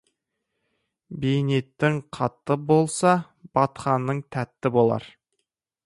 Бейнетің қатты болса, татқаның тәтті болар.